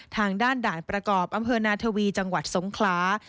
ทางด้านด่านประกอบอำเภอนาทวีจังหวัดสงขลา